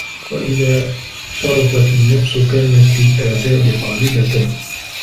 وَإِذَا شَرُفَتْ النَّفْسُ كَانَتْ لِلْآدَابِ طَالِبَةً